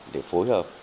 để phối hợp